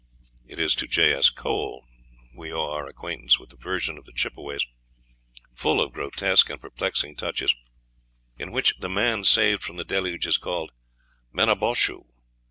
It is to J. S. Kohl we owe our acquaintance with the version of the Chippeways full of grotesque and perplexing touches in which the man saved from the Deluge is called Menaboshu.